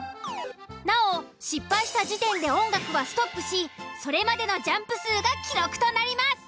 なお失敗した時点で音楽はストップしそれまでのジャンプ数が記録となります。